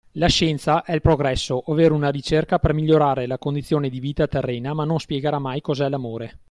La scienza è il progresso ovvero una ricerca per migliorare la condizione di vita terrena ma non spiegherà mai cos'è l'amore.